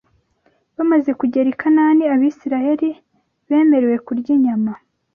Bamaze kugera i Kanani Abisiraheli bemerewe kurya inyama